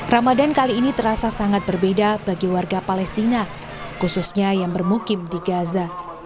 ramadan kali ini terasa sangat berbeda bagi warga palestina khususnya yang bermukim di gaza